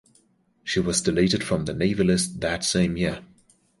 She was deleted from the Navy list that same year.